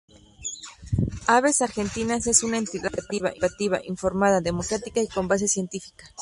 Aves Argentinas es una entidad participativa, informada, democrática y con base científica.